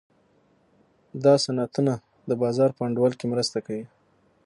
دا صنعتونه د بازار په انډول کې مرسته کوي.